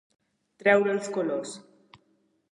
Treure els colors.